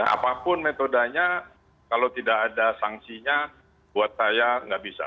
apapun metodenya kalau tidak ada sanksinya buat saya nggak bisa